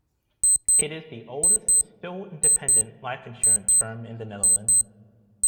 It is the oldest still independent life insurance firm in the Netherlands.